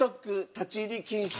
立ち入り禁止。